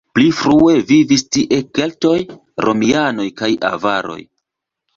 Pli frue vivis tie keltoj, romianoj kaj avaroj.